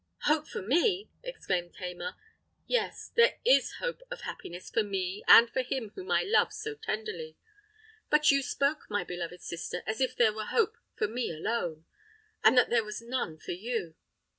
"Hope for me!" exclaimed Tamar. "Yes—there is hope of happiness for me and for him whom I love so tenderly! But you spoke, my beloved sister, as if there were hope for me alone—and that there was none for you.